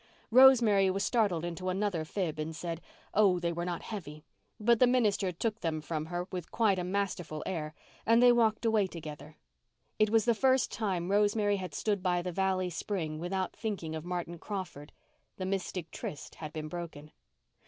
Rosemary was startled into another fib and said oh, they were not heavy. But the minister took them from her with quite a masterful air and they walked away together. It was the first time Rosemary had stood by the valley spring without thinking of Martin Crawford. The mystic tryst had been broken.